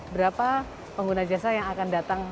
berapa pengguna jasa yang akan datang